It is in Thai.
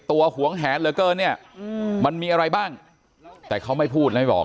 หวงแหนเหลือเกินเนี่ยมันมีอะไรบ้างแต่เขาไม่พูดไม่บอก